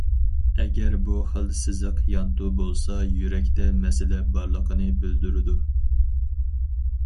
ئەگەر بۇ خىل سىزىق يانتۇ بولسا، يۈرەكتە مەسىلە بارلىقىنى بىلدۈرىدۇ.